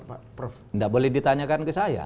tidak boleh ditanyakan ke saya